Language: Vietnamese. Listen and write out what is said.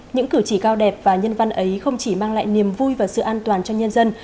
những cử chỉ cao đẹp và nhân văn ấy không chỉ mang lại niềm vui và sự an toàn cho nhân dân